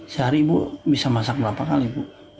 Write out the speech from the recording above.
sehari ibu bisa masak berapa kali bu